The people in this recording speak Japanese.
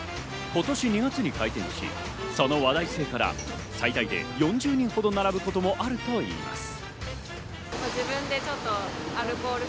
今年２月に開店し、その話題性から最大で４０人ほど並ぶこともあるといいます。